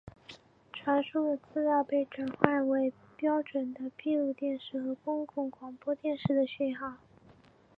传输的资料被转换成标准的闭路电视和公共广播电视的讯号。